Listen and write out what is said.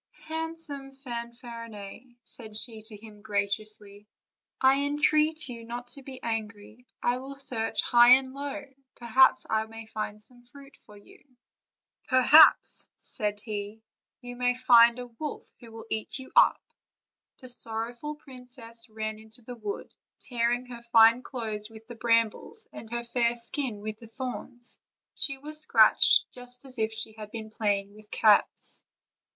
"Handsome Fanfarinet," said she to him graciously, "I entreat you not to be angry; I will search high and low; perhaps I may find some fruit for you." "Perhaps," answered he, "you may find a wolf who will eat you up!" The sorrowful princess ran into the wood, tearing her fine clothes with the brambles and her fair skin with the thorns; she was scratched juet as if she had been playing 348 OLD, OLD FAIRY TALES.